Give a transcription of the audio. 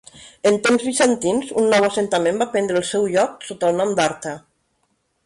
En temps bizantins, un nou assentament va prendre el seu lloc sota el nom d'Arta.